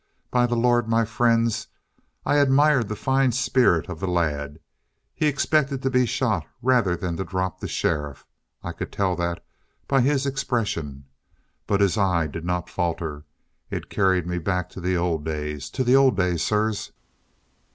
By the Lord, my friends, I admired the fine spirit of the lad. He expected to be shot rather than to drop the sheriff. I could tell that by his expression. But his eye did not falter. It carried me back to the old days to old days, sirs!"